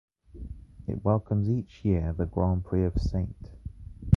It welcomes each year the Grand Prix of St.